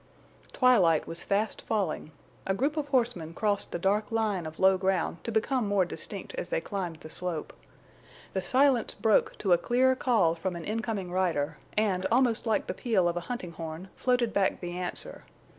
Twilight was fast falling. A group of horsemen crossed the dark line of low ground to become more distinct as they climbed the slope. The silence broke to a clear call from an incoming rider, and, almost like the peal of a hunting horn, floated back the answer.